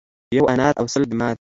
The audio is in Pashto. ـ یو انار او سل بیمار.